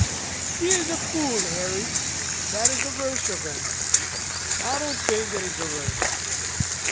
"He is a fool, Harry! That is the worst of him." "I don't think it is the worst."